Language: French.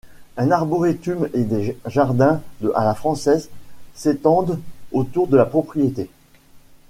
Un arboretum et des jardins à la française s'étendent autour de la propriété.